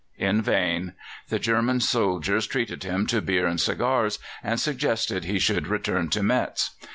In vain. The German soldiers treated him to beer and cigars, and suggested he should return to Metz.